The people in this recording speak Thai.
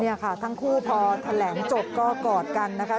นี่ค่ะทั้งคู่พอแถลงจบก็กอดกันนะคะ